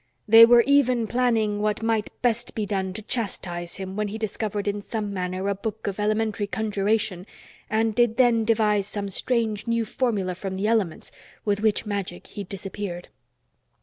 They were even planning what might best be done to chastise him when he discovered in some manner a book of elementary conjuration and did then devise some strange new formula from the elements with which magic he disappeared."